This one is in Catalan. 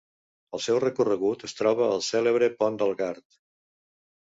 Al seu recorregut es troba el cèlebre Pont del Gard.